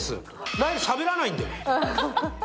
ライルしゃべらないので。